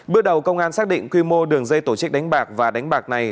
bước đầu công an xác định quy mô đường dây tổ chức đánh bạc và đánh bạc này